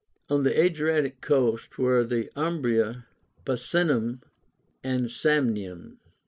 On the Adriatic coast were UMBRIA, PICÉNUM, and SAMNIUM.